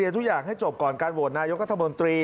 ทุกอย่างให้จบก่อนการโหวตนายกัธมนตรี